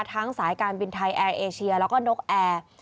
สายการบินไทยแอร์เอเชียแล้วก็นกแอร์